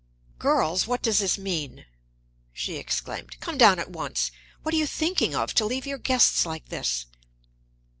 "Girls, what does this mean?" she exclaimed. "Come down at once. What are you thinking of, to leave your guests like this!"